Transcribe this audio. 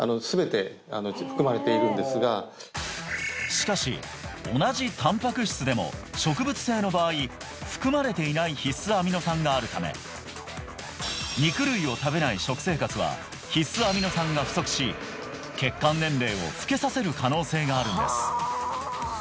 しかし同じたんぱく質でも植物性の場合含まれていない必須アミノ酸があるため肉類を食べない食生活は必須アミノ酸が不足し血管年齢を老けさせる可能性があるんです